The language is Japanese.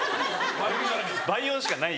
倍音しかない。